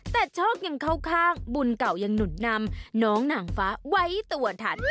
แต่โชคยังเข้าข้างบุญเก่ายังหนุนนำน้องหนังฟ้าไว้ตัวทัน